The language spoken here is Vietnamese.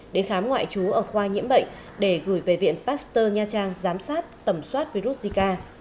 đến khám ngoại trú ở khoa nhiễm bệnh để gửi về viện pasteur nha trang giám sát tầm soát virus zika